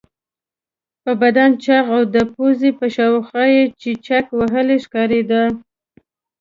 په بدن چاغ او د پوزې په شاوخوا کې چیچک وهلی ښکارېده.